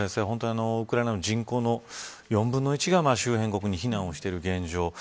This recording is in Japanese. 本当にウクライナ人口の４分の１が周辺国に避難している現状